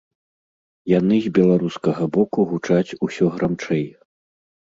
Яны з беларускага боку гучаць усё грамчэй.